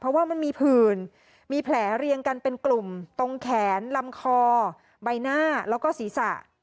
เพราะว่ามันมีผื่นมีแผลเรียงกันเป็นกลุ่มตรงแขนลำคอใบหน้าแล้วก็ศีรษะ